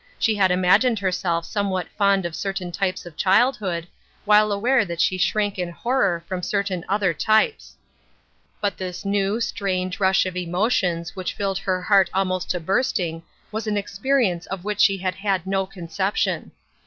She had imagined herself somewhat fond of cer tain types of childhood, while aware that she shrank in horror from certain other types. But 410 Ruth Erskine^s Crosses, this new, strange rush of emotions whicli filled her heart almost to bursting was an experience of which she had had no conception.